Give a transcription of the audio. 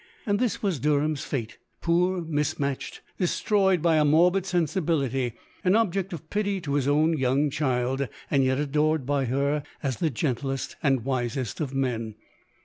And this was Derham 's fate !— poor, mis matched, de stroyed by a morbid sensibility, an object of pity to his own young child, yet adored by her as the gentlest and wisest of men.